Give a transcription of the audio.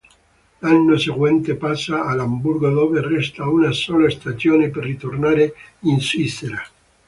L'anno seguente passa all'Amburgo dove resta una sola stagione per ritornare in Svizzera.